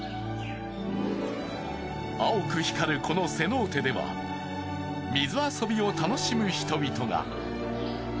青く光るこのセノーテでは水遊びを楽しむ人々が。